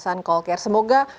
selamat briefing day terima kasih